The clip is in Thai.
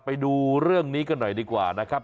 ไปดูเรื่องนี้กันหน่อยดีกว่านะครับ